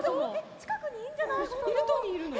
近くにいるんじゃないの？